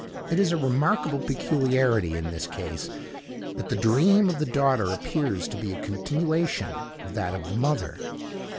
It is a remarkable peculiarity in this case, that the dream of the daughter appears to be a continuation of that of the mother.